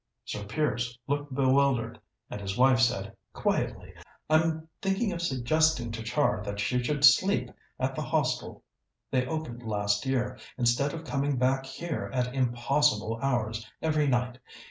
Sir Piers looked bewildered, and his wife said quietly: "I'm thinking of suggesting to Char that she should sleep at the Hostel they opened last year, instead of coming back here at impossible hours every night.